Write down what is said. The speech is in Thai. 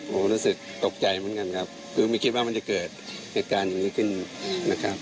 โอ้โหรู้สึกตกใจเหมือนกันครับคือไม่คิดว่ามันจะเกิดเหตุการณ์อย่างนี้ขึ้นนะครับ